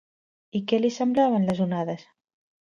I què semblaven les onades?